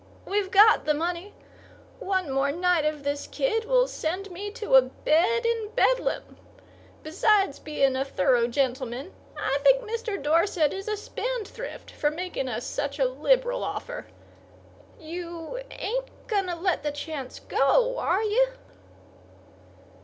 We've got the money. One more night of this kid will send me to a bed in Bedlam. Besides being a thorough gentleman, I think Mr. Dorset is a spendthrift for making us such a liberal offer. You ain't going to let the chance go, are you?"